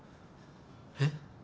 えっ？